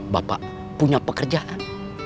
bapak punya pekerjaan